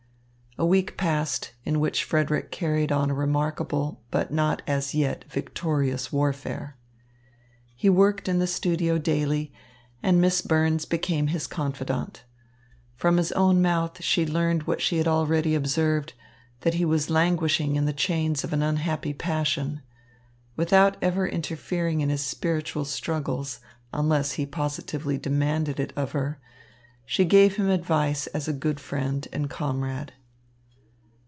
A week passed, in which Frederick carried on a remarkable, but not, as yet, victorious warfare. He worked in the studio daily, and Miss Burns became his confidante. From his own mouth she learned what she had already observed, that he was languishing in the chains of an unhappy passion. Without ever interfering in his spiritual struggles unless he positively demanded it of her, she gave him advice as a good friend and comrade.